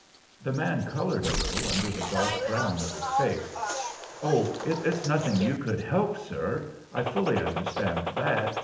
The man coloured a little under the dark brown of his face. "Oh, it's nothing you could help, sir, I fully understand that.